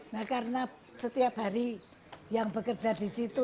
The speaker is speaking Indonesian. nah karena setiap hari yang bekerja di situ